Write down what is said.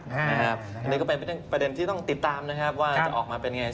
อันนี้ก็เป็นประเด็นที่ต้องติดตามนะครับว่าจะออกมาเป็นยังไง